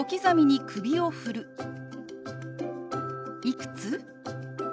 「いくつ？」。